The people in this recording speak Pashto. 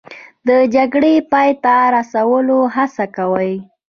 د جګړې د پای ته رسولو هڅه کوي